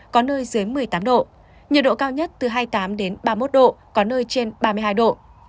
có nơi dưới một mươi tám độ nhiệt độ cao nhất từ hai mươi tám đến ba mươi một độ có nơi trên ba mươi hai độ